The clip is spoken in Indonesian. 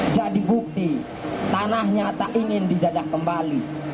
jadi bukti tanahnya tak ingin dijadah kembali